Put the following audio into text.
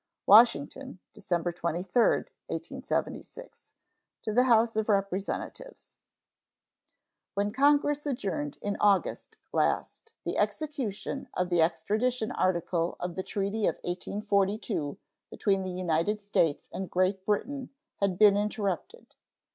WASHINGTON, December 23, 1876. To the House of Representatives: When Congress adjourned in August last the execution of the extradition article of the treaty of 1842 between the United States and Great Britain had been interrupted.